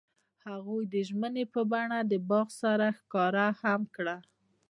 هغوی د ژمنې په بڼه باغ سره ښکاره هم کړه.